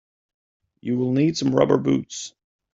You will need some rubber boots.